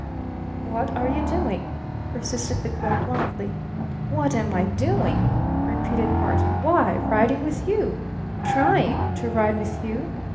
"What are you doing?" persisted the girl bluntly. "What am I doing?" repeated Barton. "Why, riding with you! Trying to ride with you!"